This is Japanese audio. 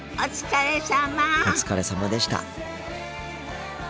お疲れさまでした。